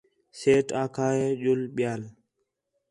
سیٹھ آکھا ہِے ڄُل ٻِیال